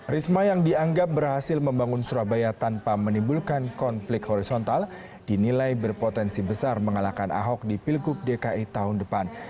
risma yang dianggap berhasil membangun surabaya tanpa menimbulkan konflik horizontal dinilai berpotensi besar mengalahkan ahok di pilgub dki tahun depan